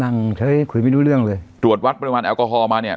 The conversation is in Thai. นั่งเฉยคุยไม่รู้เรื่องเลยตรวจวัดบริหวัณแอลกอฮอลมาเนี้ย